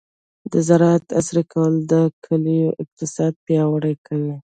د زراعت عصري کول د کلیو اقتصاد پیاوړی کوي.